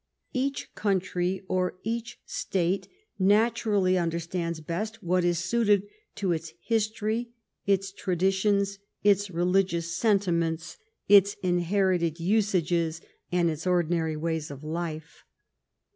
Each country or each state naturally under stands best what is suited to its history, its traditions, its religious sentiments, its inherited usages, and its ordinary ways of life.